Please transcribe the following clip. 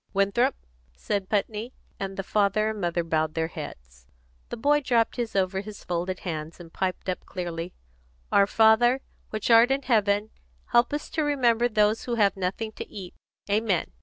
"Winthrop," said Putney, and the father and mother bowed their heads. The boy dropped his over his folded hands, and piped up clearly: "Our Father, which art in heaven, help us to remember those who have nothing to eat. Amen!"